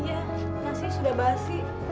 iya nasinya sudah basi